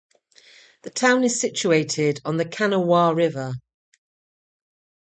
The town is situated on the Kanawha River.